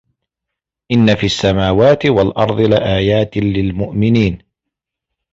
إِنَّ فِي السَّماواتِ وَالأَرضِ لَآياتٍ لِلمُؤمِنينَ